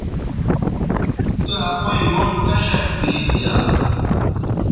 تو اپئیں گوٹھ کشک زیب دیا